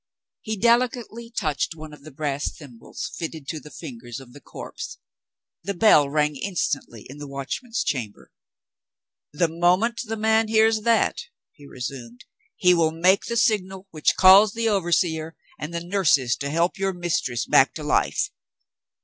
He delicately touched one of the brass thimbles, fitted to the fingers of the corpse. The bell rang instantly in the Watchman's Chamber. "The moment the man hears that," he resumed, "he will make the signal, which calls the overseer and the nurses to help your mistress back to life.